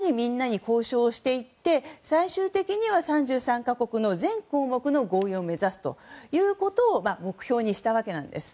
でも、約束としては徐々にみんなに交渉をしていって最終的には３３か国の全項目の合意を目指すということを目標にしたわけなんです。